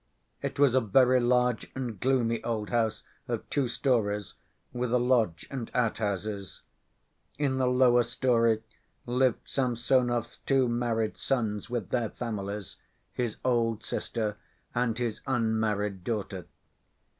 It was a very large and gloomy old house of two stories, with a lodge and outhouses. In the lower story lived Samsonov's two married sons with their families, his old sister, and his unmarried daughter.